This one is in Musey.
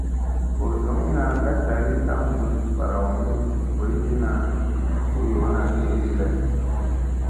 Goor zogina ka ɗagi a bus baraw mi boyginadi, vo yoona doydi lay.